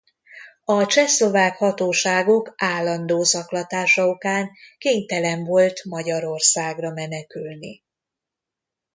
A csehszlovák hatóságok állandó zaklatása okán kénytelen volt Magyarországra menekülni.